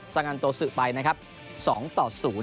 อันโตสึไปนะครับ๒ต่อ๐